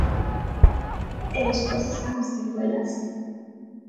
E despois están as secuelas.